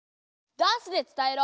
ダンスで伝えろ！